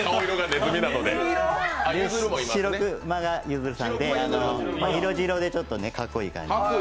シロクマがゆずさんで、色白で、ちょっとかっこいいから。